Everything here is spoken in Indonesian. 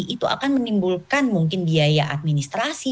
itu akan menimbulkan mungkin biaya administrasi